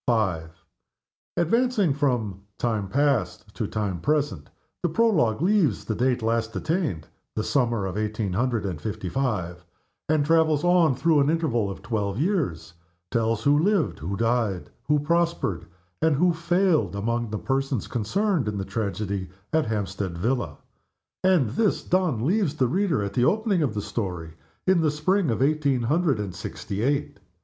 V. ADVANCING from time past to time present, the Prologue leaves the date last attained (the summer of eighteen hundred and fifty five), and travels on through an interval of twelve years tells who lived, who died, who prospered, and who failed among the persons concerned in the tragedy at the Hampstead villa and, this done, leaves the reader at the opening of THE STORY in the spring of eighteen hundred and sixty eight.